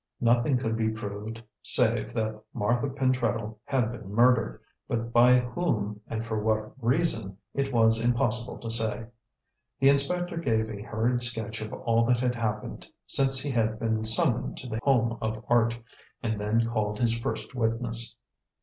Nothing could be proved save that Martha Pentreddle had been murdered, but by whom, and for what reason, it was impossible to say. The inspector gave a hurried sketch of all that had happened since he had been summoned to The Home of Art, and then called his first witness.